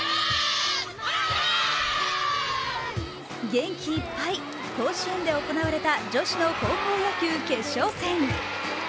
元気いっぱい、甲子園で行われた女子の高校野球、決勝戦。